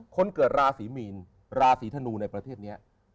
คนเกิดราศีมีนราศีธนูในประเทศนี้